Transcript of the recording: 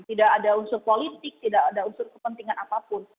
tidak ada unsur politik tidak ada unsur kepentingan apapun